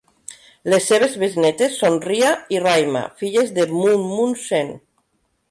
Les seves besnétes son Ria i Raima, filles de Moon Moon Sen.